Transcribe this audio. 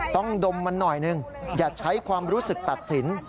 ดมมันหน่อยนึงอย่าใช้ความรู้สึกตัดสิน